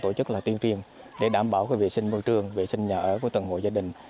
tổ chức là tuyên truyền để đảm bảo vệ sinh môi trường vệ sinh nhà ở của từng hội gia đình